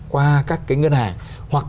qua các cái ngân hàng hoặc